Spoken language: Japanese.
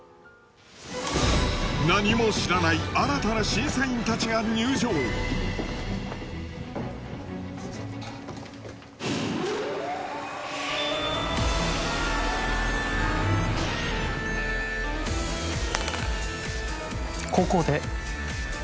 何も知らない新たな審査員たちが入場後攻で。